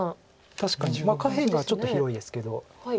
確かに下辺がちょっと広いですけど。